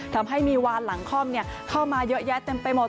ทำให้มีวานหลังคล่อมเข้ามาเยอะแยะเต็มไปหมด